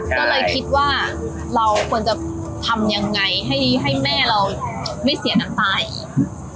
ก็เลยคิดว่าเราควรจะทำยังไงให้แม่เราไม่เสียน้ำตาอีก